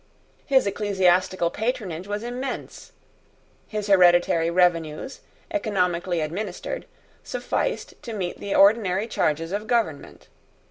His ecclesiastical patronage was immense. His hereditary revenues, economically administered, sufficed to meet the ordinary charges of government.